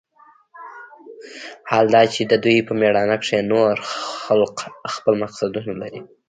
حال دا چې د دوى په مېړانه کښې نور خلق خپل مقصدونه لري.